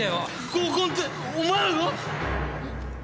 合コンってお前らが？